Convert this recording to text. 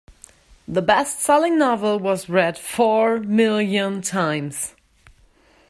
The bestselling novel was read four million times.